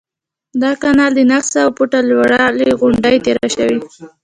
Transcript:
دا کانال د نهه سوه فوټه لوړې غونډۍ تیر شوی.